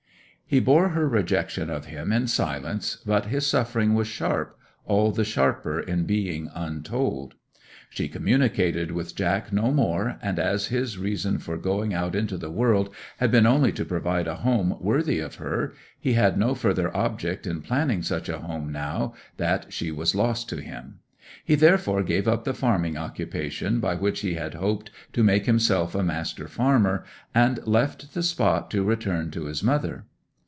'He bore her rejection of him in silence, but his suffering was sharp—all the sharper in being untold. She communicated with Jack no more; and as his reason for going out into the world had been only to provide a home worthy of her, he had no further object in planning such a home now that she was lost to him. He therefore gave up the farming occupation by which he had hoped to make himself a master farmer, and left the spot to return to his mother.